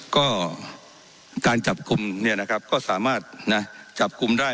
ก็การจับกลุ่มเนี่ยนะครับก็สามารถจับกลุ่มได้